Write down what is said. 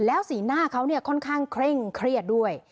แล้วสีหน้าเขาเนี่ยค่อนข้างเคร่งเครียดด้วย